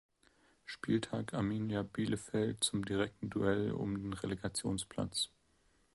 Spieltag Arminia Bielefeld zum direkten Duell um den Relegationsplatz.